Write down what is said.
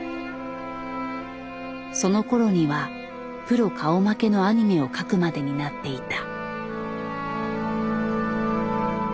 そのころにはプロ顔負けのアニメを描くまでになっていた。